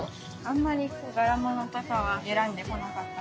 あんまり柄物とかは選んでこなかったんですけど。